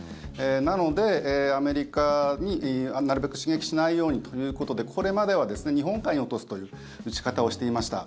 なので、アメリカをなるべく刺激しないようにということでこれまでは日本海に落とすという撃ち方をしていました。